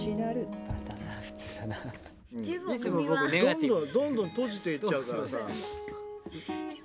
・どんどんどんどん閉じていっちゃうからさ。